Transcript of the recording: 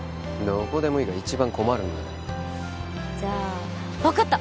どこでもいいが一番困るんだよじゃあ分かった！